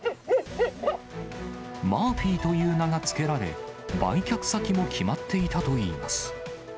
マーフィーという名が付けられ、売却先も決まっていたといいます。